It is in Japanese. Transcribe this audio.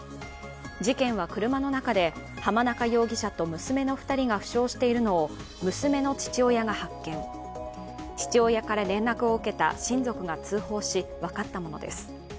事件は車の中で濱中容疑者と娘の２人が負傷しているのを娘の父親が発見、父親から連絡を受けた親族が通報し、分かったものです。